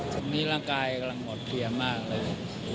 ตรงนี้ร่างกายกำลังหมดเพียงมากเลย